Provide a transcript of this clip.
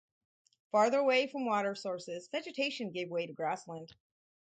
Farther away from water sources, vegetation gave way to grassland.